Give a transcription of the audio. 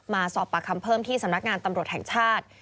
มาสอบปากคำเพิ่มที่สำนักงานตำรวจแห่งชาติ